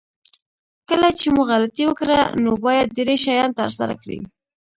کله چې مو غلطي وکړه نو باید درې شیان ترسره کړئ.